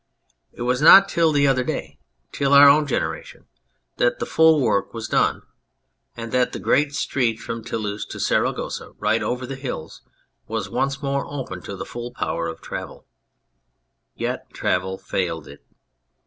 It was not till the other 262 The New Road day, till our own generation, that the full work was done, and that the great street from Toulouse to Saragossa right over the hills was once more open to the full power of travel. Yet travel failed it.